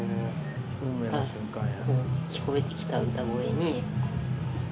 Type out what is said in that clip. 運命の瞬間や。